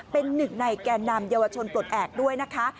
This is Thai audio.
เป็นหนึ่งในแก่นำเยาวชนปลดแอบด้วยนะคะ